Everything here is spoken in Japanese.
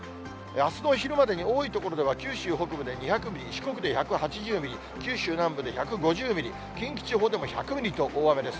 あすのお昼までに多い所では九州北部で２００ミリ、四国で１８０ミリ、九州南部で１５０ミリ、近畿地方でも１００ミリと大雨です。